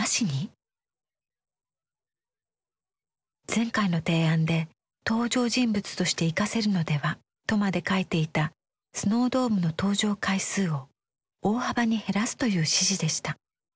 前回の提案で「登場人物として生かせるのでは？」とまで書いていたスノードームの登場回数を大幅に減らすという指示でした。